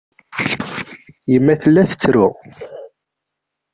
Yemma tella tettru.